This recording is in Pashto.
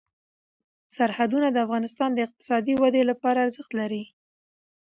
سرحدونه د افغانستان د اقتصادي ودې لپاره ارزښت لري.